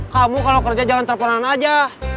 kamu kalau kerja jalan teleponan aja